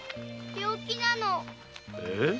病気なの。え？